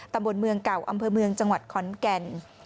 ตำบลเมืองเก่าอำเภอเมืองจังหวัดขอนแก่น